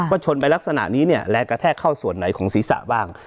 ชนไปลักษณะนี้เนี่ยแรงกระแทกเข้าส่วนไหนของศีรษะบ้าง